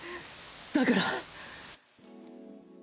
だから。